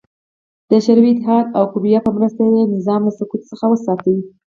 د شوروي اتحاد او کیوبا په مرسته یې نظام له سقوط څخه وساته.